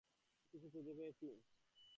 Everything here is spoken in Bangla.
কিছু খুঁজে পেয়েছি।